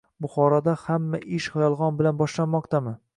Buxoroda hamma ish yolg‘on bilan boshlanmoqdami?